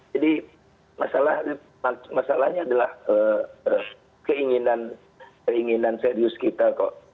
jadi masalahnya adalah keinginan serius kita kok